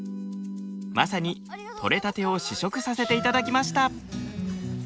まさに取れたてを試食させていただきました。